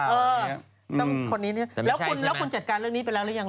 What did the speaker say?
แล้วคุณจัดการเรื่องนี้ไปแล้วหรือยังหรือยัง